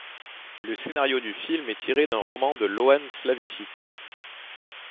Le scénario du film est tiré d'un roman de Ioan Slavici.